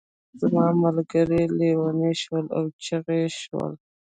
زما ملګري لیوني شول او چاغ شول.